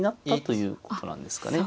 そういうことなんですか。